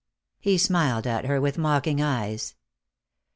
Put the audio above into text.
He smiled at her with mocking eyes.